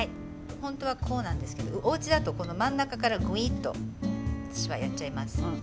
本当はこうなんですけどおうちだとこの真ん中からぐいっと私はやっちゃいます。